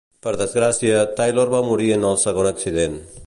Per desgràcia, Taylor va morir en el segon accident.